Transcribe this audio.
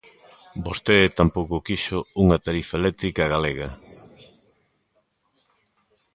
Vostede tampouco quixo unha tarifa eléctrica galega.